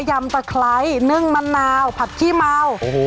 ำตะไคร้นึ่งมะนาวผักขี้เมา